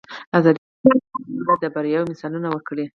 ازادي راډیو د اقتصاد په اړه د بریاوو مثالونه ورکړي.